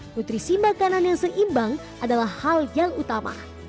nutrisi makanan yang seimbang adalah hal yang utama